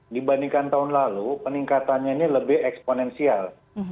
dibandingkan tahun lalu peningkatannya ini lebih eksponensial